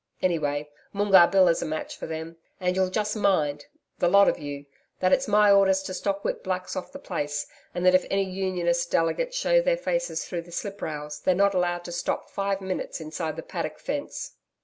Anyway, Moongarr Bill is a match for them.... And you'll just mind the lot of you that it's my orders to stockwhip blacks off the place, and that if any Unionist delegates show their faces through the sliprails they're not allowed to stop five minutes inside the paddock fence.'